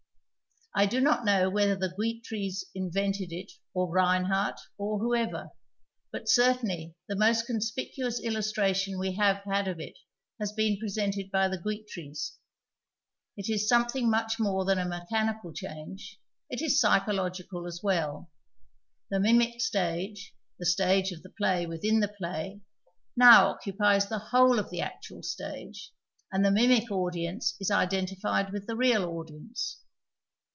I do not know whether the Guitrys invented it or Reinhardt or whoever, but certainly the most conspicuo\is illustration we have had of it has been presented by the Guitrys. It is something much more than a mechanical change ; it is psychological as well. The mimic stage, the stage of the i)lay within the |)lay, now occupies the whole of the actual stage, and the mimic audience is identi fied with the real audience.